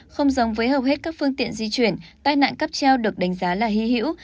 không giống với hầu hết các phương tiện di chuyển tai nạn cắp treo được đánh giá là hy hữu